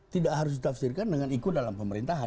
tidak harus ditafsirkan dengan ikut dalam pemerintahan